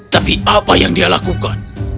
tapi apa yang dia lakukan